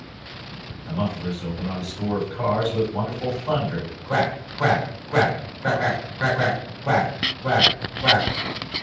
# The mufflers open on a score of cars With wonderful thunder, CRACK, CRACK, CRACK, CRACK CRACK, CRACK CRACK, CRACK CRACK CRACK